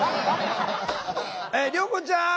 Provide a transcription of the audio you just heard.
涼子ちゃん